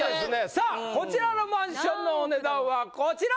さあこちらのマンションのお値段はこちら！